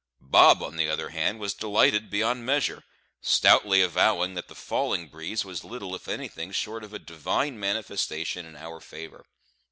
Bob, on the other hand, was delighted beyond measure, stoutly avowing that the falling breeze was little, if anything, short of a divine manifestation in our favour.